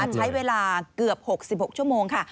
ใช้เวลาเกือบ๖๖ชั่วโมงค่ะ